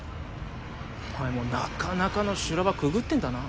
お前もなかなかの修羅場くぐってんだな。